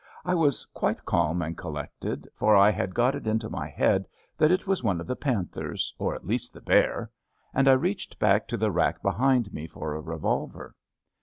I was quite calm and collected, for I had got it into my head that it was one of the panthers, or at least the bear; and I reached back to the rack behind me for a revolver.